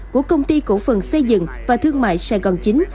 của công ty cổ phần xây dựng và thương mại sài gòn chín